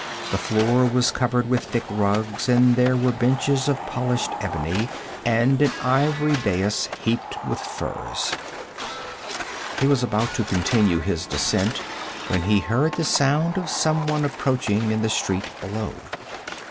The floor was covered with thick rugs, and there were benches of polished ebony, and an ivory dais heaped with furs. He was about to continue his descent, when he heard the sound of someone approaching in the street below.